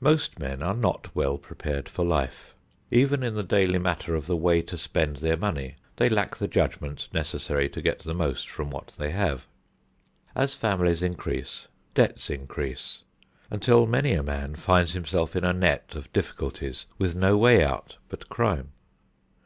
Most men are not well prepared for life. Even in the daily matter of the way to spend their money, they lack the judgment necessary to get the most from what they have. As families increase, debts increase, until many a man finds himself in a net of difficulties with no way out but crime.